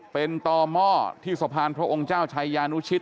เป็นต่อหม้อที่สะพานพระองค์เจ้าชายานุชิต